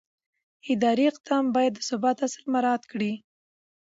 اداري اقدام باید د ثبات اصل مراعت کړي.